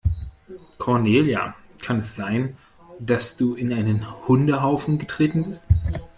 Cornelia, kann es sein, dass du in einen Hundehaufen getreten bist?